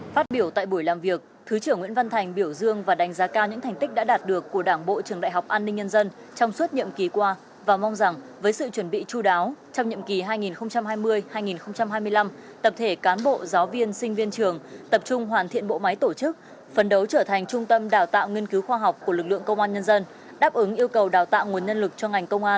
phát biểu tại buổi làm việc thứ trưởng nguyễn văn thành biểu dương và đánh giá cao những thành tích đã đạt được của đảng bộ trường đại học an ninh nhân dân trong suốt nhiệm kỳ qua và mong rằng với sự chuẩn bị chú đáo trong nhiệm kỳ hai nghìn hai mươi hai nghìn hai mươi năm tập thể cán bộ giáo viên sinh viên trường tập trung hoàn thiện bộ máy tổ chức phấn đấu trở thành trung tâm đào tạo nghiên cứu khoa học của lực lượng công an nhân dân đáp ứng yêu cầu đào tạo nguồn nhân lực cho ngành công an